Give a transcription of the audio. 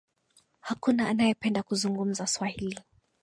Hakuna anaye penda kuzungumza swahili